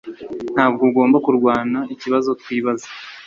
Ntabwo ugomba kurwana ikibazo twibaza